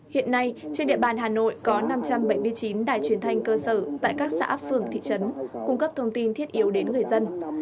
hiện nay trên địa bàn hà nội có năm trăm bảy mươi chín đài truyền thanh cơ sở tại các xã phường thị trấn cung cấp thông tin thiết yếu đến người dân